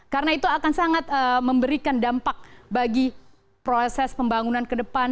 karena itu akan sangat memberikan dampak bagi proses pembangunan kedepan